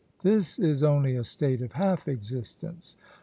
This is only a state of half existence.